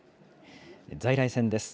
在来線です。